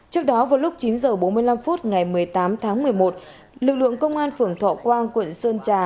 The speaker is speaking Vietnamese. trước đó vào lúc chín h bốn mươi năm phút ngày một mươi tám tháng một mươi một lực lượng công an phường thọ quang quận sơn trà